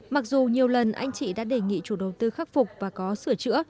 mặc dù nhiều lần anh chị đã đề nghị chủ đầu tư khắc phục và có sửa chữa